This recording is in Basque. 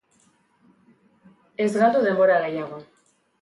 Ez galdu denbora gehiago.